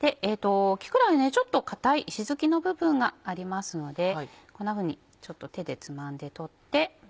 木くらげちょっと硬い石突きの部分がありますのでこんなふうに手でつまんで取って。